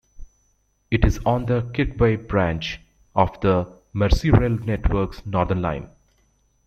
It is on the Kirkby branch of the Merseyrail network's Northern Line.